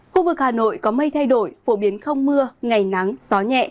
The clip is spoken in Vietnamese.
khu vực hà nội có mây thay đổi phổ biến không mưa ngày nắng gió nhẹ nhiệt độ từ hai mươi một ba mươi một độ